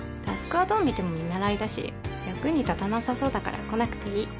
匡はどう見ても見習いだし役に立たなさそうだから来なくていい。